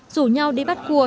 rủ nhau đi bắt cua